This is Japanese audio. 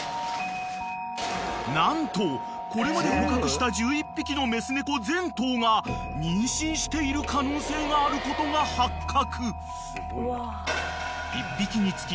［何とこれまで捕獲した１１匹のメス猫全頭が妊娠している可能性があることが発覚］